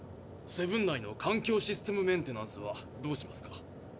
セブン内の環境システムメンテナンスはどうしますか？